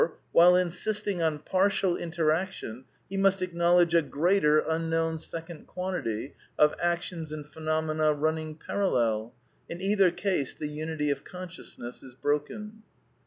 while insisting on partial interac tion, he must acknowledge a greater unknown second quan tity of actions and phenomena running parallel. In either case the unity of consciousness is broken.